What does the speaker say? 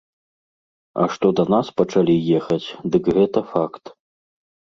А што да нас пачалі ехаць, дык гэта факт.